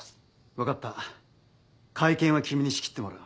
分かった会見は君に仕切ってもらう。